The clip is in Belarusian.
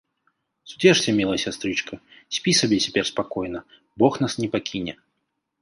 - Суцешся, мілая сястрычка, спі сабе цяпер спакойна, Бог нас не пакіне